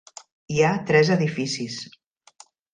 Hi ha tres edificis.